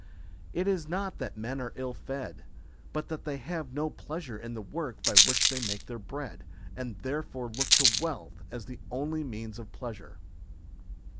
It is not that men are ill fed, but that they have no pleasure in the work by which they make their bread, and therefore look to wealth as the only means of pleasure.